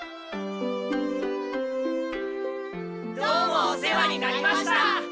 どうもお世話になりました。